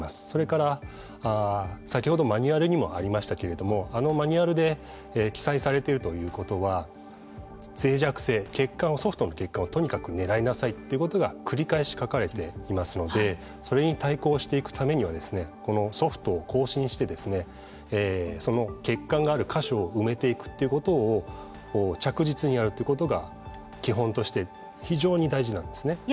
それから先ほどマニュアルにもありましたけれどもあのマニュアルで記載されているということはぜい弱性ソフトの欠陥をとにかく狙いなさいということが繰り返し書かれていますのでそれに対抗していくためにはソフトを更新してその欠陥がある箇所を埋めていくということを着実にやるということが基本として非常に大事なんですね。